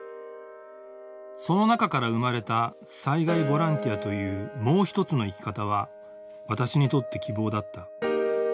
その中から生まれた災害ボランティアという「もうひとつの生き方」は私にとって希望だった。